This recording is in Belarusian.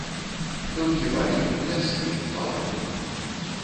Толькі палі, лясы, балоты.